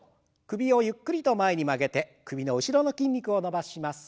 首をゆっくりと前に曲げて首の後ろの筋肉を伸ばします。